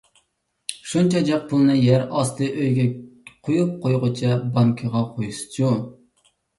شۇنچە جىق پۇلنى يەر ئاستى ئۆيىگە قويۇپ قويغۇچە بانكىغا قويسىچۇ؟